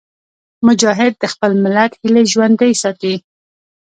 مجاهد د خپل ملت هیلې ژوندي ساتي.